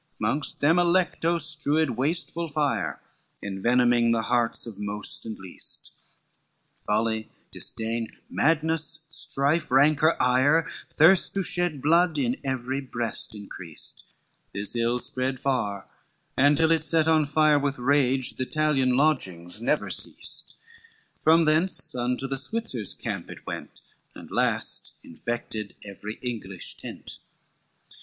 LXXII Mongst them Alecto strowed wasteful fire, Envenoming the hearts of most and least, Folly, disdain, madness, strife, rancor, ire, Thirst to shed blood, in every breast increased, This ill spread far, and till it set on fire With rage the Italian lodgings, never ceased, From thence unto the Switzers' camp it went, And last infected every English tent.